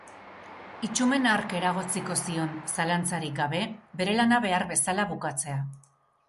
Itsumen hark eragotziko zion, zalantzarik gabe, bere lana behar bezala bukatzea.